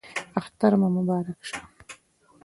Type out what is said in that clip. اختر مو مبارک شه